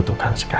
tidak ada salah